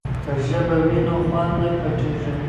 که ژبه وي نو خوند نه پټیږي.